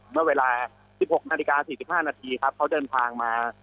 เมื่อเวลา๑๖นาฬิกา๔๕นาทีครับเขาเดินทางมา